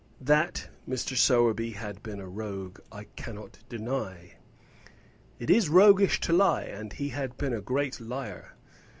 That Mr. Sowerby had been a rogue, I cannot deny. It is roguish to lie, and he had been a great liar.